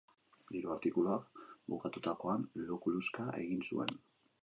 Hiru artikuluak bukatutakoan lo-kuluxka egin zuen.